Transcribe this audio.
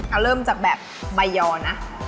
เอาเริ่มจากแบบใบยอนะ